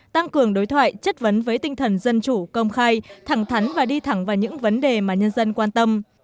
tăng cường đối thoại chất vấn với tinh thần dân chủ công khai thẳng thắn và đi thẳng vào những vấn đề mà nhân dân quan tâm